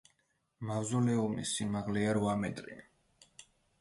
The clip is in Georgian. მავზოლეუმის სიმაღლეა რვა მეტრი.